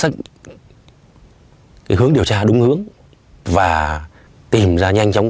chứa hơn hai trăm sáu mươi năm triệu đồng